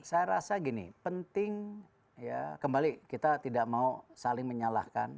saya rasa gini penting ya kembali kita tidak mau saling menyalahkan